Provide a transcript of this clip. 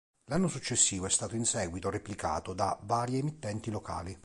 L'anno successivo è stato in seguito replicato da varie emittenti locali..